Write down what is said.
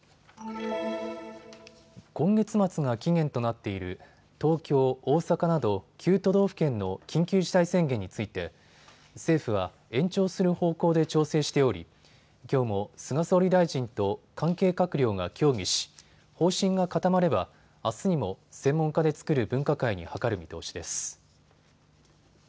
今月末が期限となっている東京、大阪など９都道府県の緊急事態宣言について政府は延長する方向で調整しておりきょうも菅総理大臣と関係閣僚が協議し方針が固まればあすにも専門家で作る分科会に諮る見通しです。